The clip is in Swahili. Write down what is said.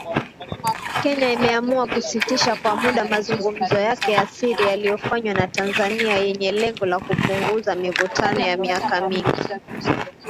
Kenya imeamua kusitisha kwa muda mazungumzo yake ya siri yaliyofanywa na Tanzania yenye lengo la kupunguza mivutano ya miaka mingi.